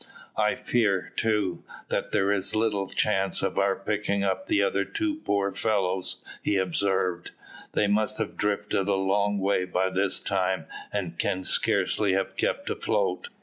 "I fear, too, that there is but little chance of our picking up the other two poor fellows," he observed. "They must have drifted a long way by this time, and can scarcely have kept afloat."